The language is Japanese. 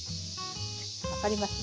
分かります？